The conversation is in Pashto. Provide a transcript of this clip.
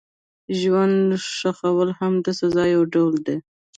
ژوندي ښخول هم د سزا یو ډول و.